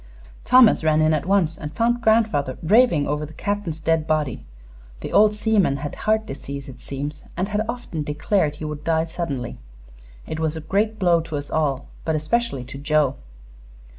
Thomas ran in at once, and found grandfather raving over the Captain's dead body. The old seaman had heart disease, it seems, and had often declared he would die suddenly. It was a great blow to us all, but especially to Joe."